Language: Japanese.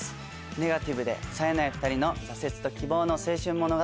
ネガティブでさえない２人の挫折と希望の青春物語。